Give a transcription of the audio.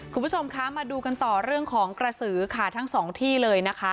คุณผู้ชมคะมาดูกันต่อเรื่องของกระสือค่ะทั้งสองที่เลยนะคะ